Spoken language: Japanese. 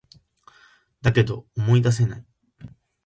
だけど、思い出せない